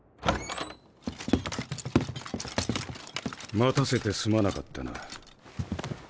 待たせてすまなかったな。